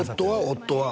夫は？